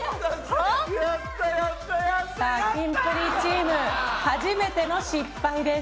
さあキンプリチーム初めての失敗です。